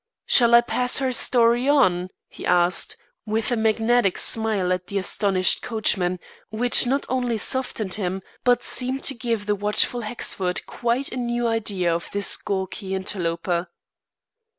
"Shall I pass her story on?" he asked, with a magnetic smile at the astonished coachman, which not only softened him but seemed to give the watchful Hexford quite a new idea of this gawky interloper.